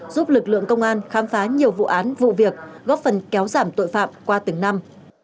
giúp lực lượng công an khám phá nhiều vụ án vụ việc góp phần kéo giảm tội phạm qua từng năm